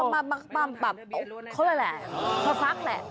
มาแบบโอ๊ะเขาแหละมาฟักแหละ